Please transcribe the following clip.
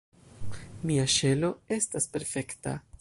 Mia ŝelo estas perfekta.